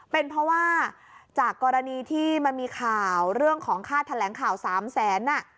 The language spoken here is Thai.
เป็นเพราะว่าจากกรณีที่มันมีข่าวเรื่องของค่าแถลงข่าว๓แสน